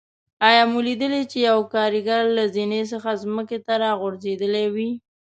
آیا مو لیدلي چې یو کاریګر له زینې څخه ځمکې ته راغورځېدلی وي.